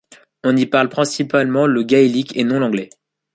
On y parle principalement le gaélique et non l'anglais.